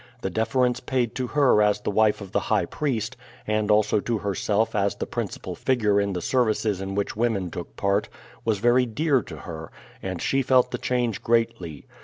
The deference paid to her as the wife of the high priest, and also to herself as the principal figure in the services in which women took part, was very dear to her, and she felt the change greatly.